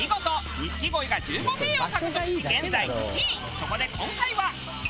そこで今回は。